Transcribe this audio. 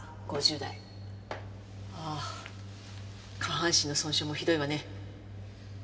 ああ下半身の損傷もひどいわね。